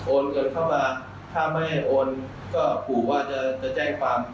โอนเงินเข้ามาถ้าไม่โอนก็ปลูกว่าจะแจ้งความจับเราอีก